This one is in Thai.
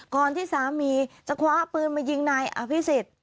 ก่อนที่สามีจะคว้าปืนมายิงนายอภิษฎ